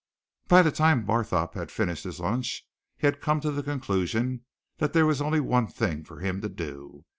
By the time Barthorpe had finished his lunch he had come to the conclusion that there was only one thing for him to do.